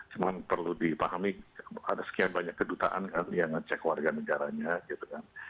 cuma perlu dipahami ada sekian banyak kedutaan yang ngecek warga negaranya